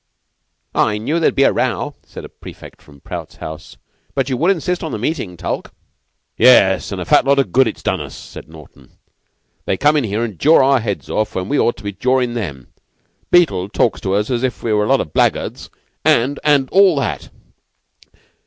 "I knew there'd be a row," said a prefect of Prout's house. "But you would insist on the meeting, Tulke." "Yes, and a fat lot of good it's done us," said Naughten. "They come in here and jaw our heads off when we ought to be jawin' them. Beetle talks to us as if we were a lot of blackguards and and all that.